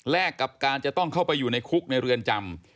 กับการจะต้องเข้าไปอยู่ในคุกในเรือนจำ